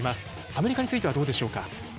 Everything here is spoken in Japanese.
アメリカについてはどうですか。